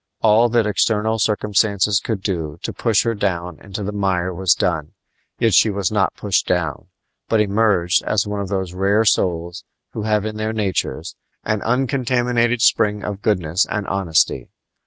All that external circumstances could do to push her down into the mire was done; yet she was not pushed down, but emerged as one of those rare souls who have in their natures an uncontaminated spring of goodness and honesty.